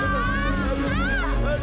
masi masi don't